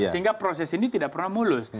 sehingga proses ini tidak pernah mulus